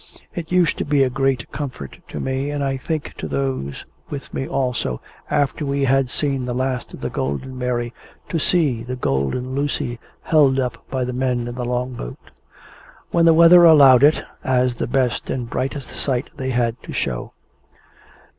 It used to be a great comfort to me, and I think to those with me also, after we had seen the last of the Golden Mary, to see the Golden Lucy, held up by the men in the Long boat, when the weather allowed it, as the best and brightest sight they had to show.